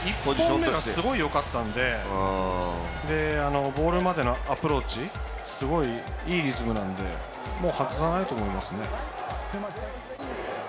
１歩目がすごいよかったのでボールまでアプローチすごい、いいリズムなんでもう外さないと思いますね。